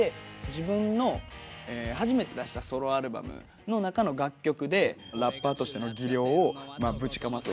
自分の初めて出したソロアルバムの中の楽曲でラッパーとしての技量をぶちかます。